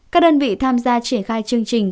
các đơn vị tham gia triển khai chương trình